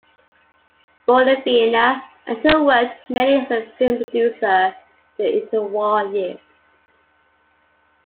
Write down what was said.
Born in Vienna, Antel worked mainly as a film producer in the interwar years.